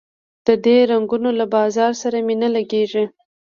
د دې رنګونو له بازار سره مي نه لګیږي